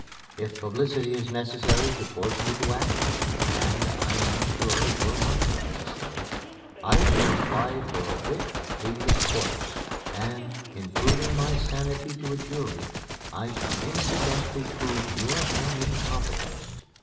If publicity is necessary to force you to act and I am sure it will not be necessary I shall apply for a writ of habeas corpus, and, in proving my sanity to a jury, I shall incidentally prove your own incompetence.